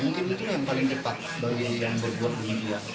mungkin itu yang paling tepat bagi yang berbuat ini